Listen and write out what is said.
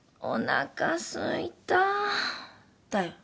「おなかすいた」？